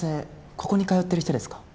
ここに通ってる人ですか？